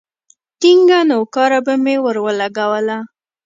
ټينگه نوکاره به مې ورولگوله.